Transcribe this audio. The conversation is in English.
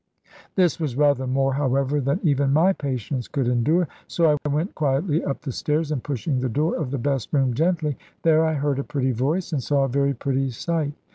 This was rather more, however, than even my patience could endure: so I went quietly up the stairs, and pushing the door of the best room gently, there I heard a pretty voice, and saw a very pretty sight.